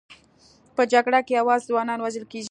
په جګړه کې یوازې ځوانان وژل کېږي